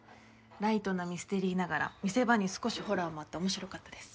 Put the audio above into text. ライトなミステリーながら見せ場に少しホラーもあって面白かったです。